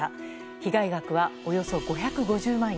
被害額は、およそ５５０万円。